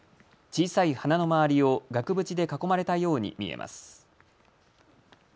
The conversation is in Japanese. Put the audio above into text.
小さい花の周りを額縁で囲まれたように見えます。